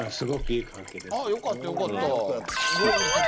あよかったよかった。